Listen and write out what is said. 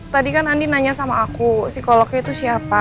tadi kan andi nanya sama aku psikolognya itu siapa